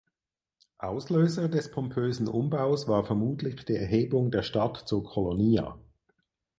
Auslöser des pompösen Umbaus war vermutlich die Erhebung der Stadt zur "Colonia".